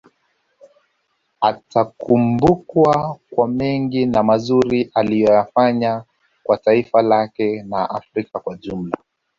Atakumbukwa kwa mengi na mazuri aliyoyafanya kwa taifa lake na Afrika kwa ujumla